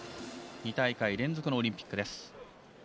２大会連続のオリンピックです。